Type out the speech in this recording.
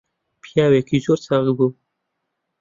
پیاوێکی زۆر چاک بوو